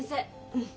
うん。